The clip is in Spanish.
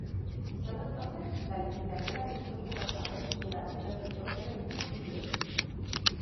Sólo entonces, la legislatura eligió un gobernador titular, que resultó ser el mismo Pujol.